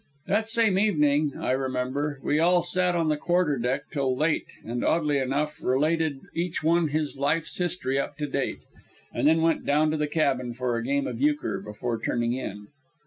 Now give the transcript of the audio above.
That same evening, I remember, we all sat on the quarterdeck till late and oddly enough related each one his life's history up to date; and then went down to the cabin for a game of euchre before turning in.